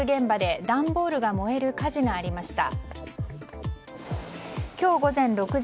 横浜市の建築現場で段ボールが燃える火事がありました。